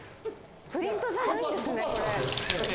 プリントじゃないんですね